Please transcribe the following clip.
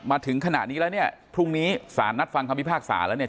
มาถึงขณะนี้แล้วเนี่ยพรุ่งนี้สารนัดฟังคำพิพากษาแล้วเนี่ย